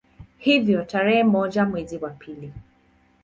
Hivyo tarehe moja mwezi wa pili